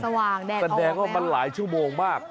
สว่างแดดออกมาแล้วแสดงว่ามันหลายชั่วโมงมาก